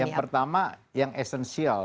yang pertama yang essential